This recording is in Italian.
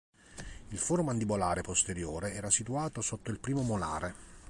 Il foro mandibolare posteriore era situato sotto il primo molare.